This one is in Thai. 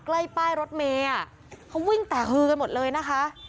ใกล้ป้ายรถเมย์เขาวิ่งแตกฮือกันหมดเลยนะคะ